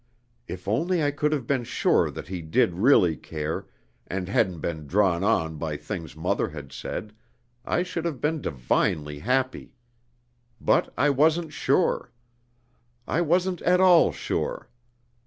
If only I could have been sure that he did really care, and hadn't been drawn on by things mother had said, I should have been divinely happy. But I wasn't sure. I wasn't at all sure.